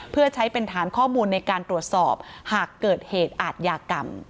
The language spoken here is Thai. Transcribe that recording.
เพื่อใช้เป็นฐานข้อมูลในการตรวจสอบหากเกิดเหตุอาทยากรรม